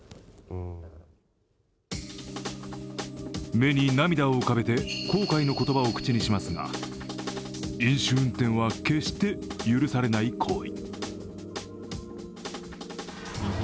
目に涙を浮かべて後悔の言葉を口にしますが飲酒運転は決して許されない行為。